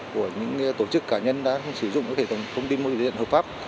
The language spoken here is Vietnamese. của những tổ chức cá nhân đang sử dụng các hệ thống thông tin vô điện hợp pháp